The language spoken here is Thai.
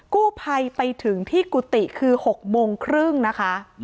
กู้ภัยไปถึงที่กุฏิคือ๖โมงครึ่งนะคะ